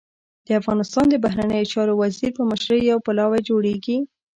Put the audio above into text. د افغانستان د بهرنیو چارو وزیر په مشرۍ يو پلاوی جوړېږي.